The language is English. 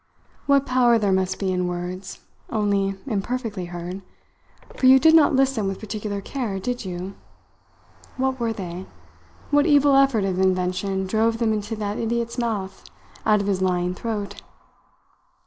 "What power there must be in words, only imperfectly heard for you did not listen with particular care, did you? What were they? What evil effort of invention drove them into that idiot's mouth out of his lying throat?